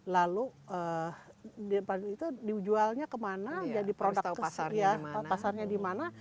lalu di jualnya kemana jadi produk ke siapa pasarnya dimana